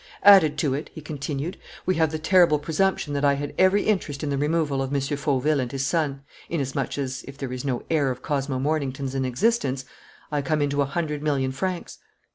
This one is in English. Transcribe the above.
Added to it," he continued, "we have the terrible presumption that I had every interest in the removal of M. Fauville and his son, inasmuch as, if there is no heir of Cosmo Mornington's in existence, I come into a hundred million francs.